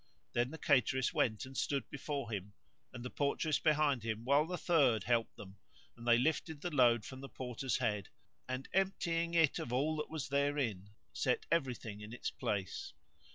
Then the cateress went and stood before him, and the portress behind him while the third helped them, and they lifted the load from the Porter's head; and, emptying it of all that was therein, set everything in its place.